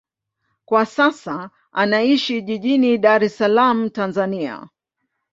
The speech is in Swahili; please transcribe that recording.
Kwa sasa anaishi jijini Dar es Salaam, Tanzania.